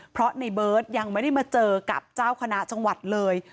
เพราะในเบิร์ตยังไม่ได้มาเจอกับเจ้าคณะจังหวัดเลย